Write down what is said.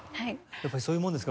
やっぱりそういうものですか？